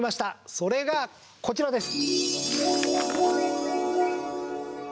それがこちらです！